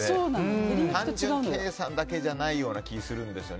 単純計算だけじゃないような気がするんですね